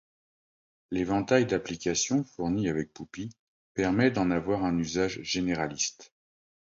L'éventail d'applications fournies avec Puppy permet d'en avoir un usage généraliste.